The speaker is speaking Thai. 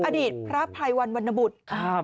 อดีตพระภัยวันวรรณบุตร